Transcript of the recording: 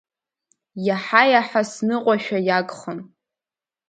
Иаҳа-иаҳа сныҟәашәа иагхон.